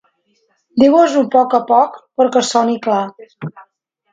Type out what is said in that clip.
Digues-ho a poc a poc, però que soni clar.